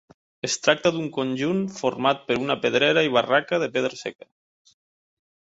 Es tracta d'un conjunt format per una pedrera i barraca de pedra seca.